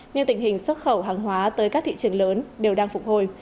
nhưng tình hình xuất khẩu hàng hóa tới các thị trường lớn đều đang phục hồi